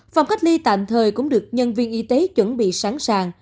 phòng cách ly tạm thời cũng được nhân viên y tế chuẩn bị sẵn sàng